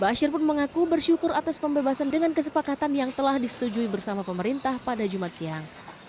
bashir pun mengaku bersyukur atas pembebasan dengan kesepakatan yang telah disetujui bersama pemerintah pada jumat siang